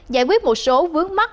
giải quyết một số vướng mắt